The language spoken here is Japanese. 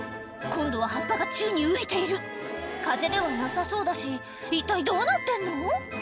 今度は葉っぱが宙に浮いている風ではなさそうだし一体どうなってんの？